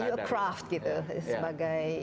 you craft gitu sebagai